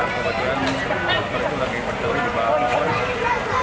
kemudian itu lagi bertur juga pohon